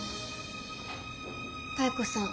妙子さん。